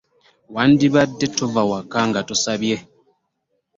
Wandibadde tova waka nga tosabye.